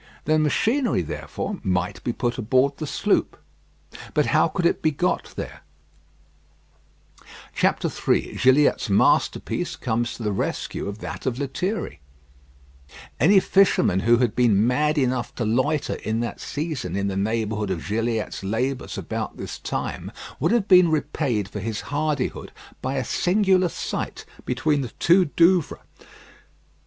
The machinery, therefore, might be put aboard the sloop. But how could it be got there? III GILLIATT'S MASTERPIECE COMES TO THE RESCUE OF THAT OF LETHIERRY Any fisherman who had been mad enough to loiter in that season in the neighbourhood of Gilliatt's labours about this time would have been repaid for his hardihood, by a singular sight between the two Douvres.